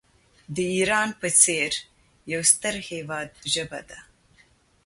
د ایران په څېر یو ستر هیواد ژبه ده.